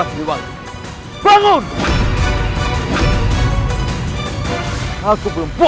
aku akan menangkapmu